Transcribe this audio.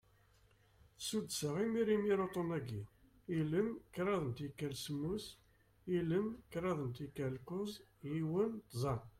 Suddseɣ imir imir uṭṭun-agi: ilem, kraḍ n tikal semmus, ilem, kraḍ n tikal kuẓ, yiwen, tẓa.